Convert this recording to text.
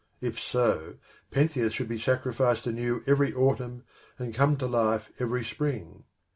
If so, Pen theus should be sacrificed anew every Autumn and come to life every Spring.